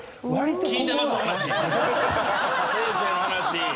先生の話。